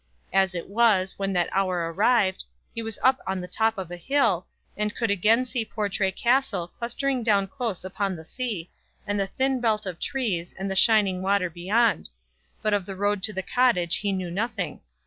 As it was, when that hour arrived, he was up on the top of a hill, and could again see Portray Castle clustering down close upon the sea, and the thin belt of trees, and the shining water beyond; but of the road to the Cottage he knew nothing.